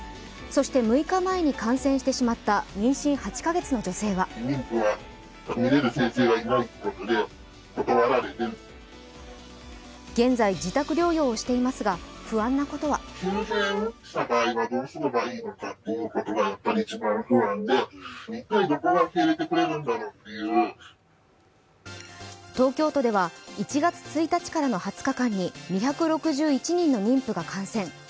そして６日前に感染してしまった妊娠８カ月の女性は現在、自宅療養をしていますが不安なことは東京都では１月１日からの２０日間に２６１人の妊婦が感染。